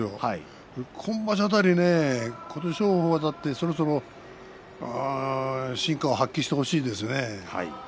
今場所辺り琴勝峰だってそろそろ真価を発揮してほしいですね。